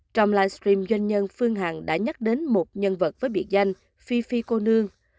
trong live stream doanh nhân phương hằng đã nhắc đến một nhân vật với biệt danh phi phi cô nương